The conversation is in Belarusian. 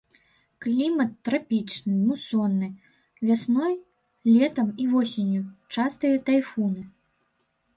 Клімат трапічны мусонны, вясной, летам і восенню частыя тайфуны.